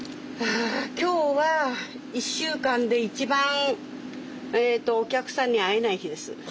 今日は１週間で一番お客さんに会えない日です。